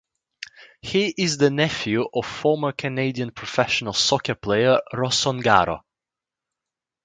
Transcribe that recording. He is the nephew of former Canadian professional soccer player Ross Ongaro.